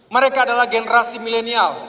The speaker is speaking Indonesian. mereka adalah generasi milenial